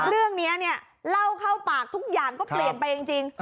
เรื่องนี้เนี่ยเล่าเข้าปากทุกอย่างก็เปลี่ยนไปจริง